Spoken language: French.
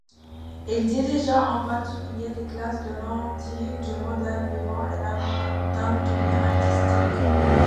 Il dirigea en particulier les classes de l’antique, du modèle vivant et d’anatomie artistique.